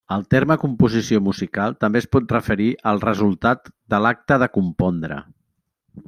El terme composició musical també es pot referir al resultat de l'acte de compondre.